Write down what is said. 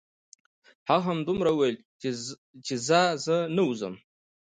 هغه همدومره وویل: ځه زه نه وځم.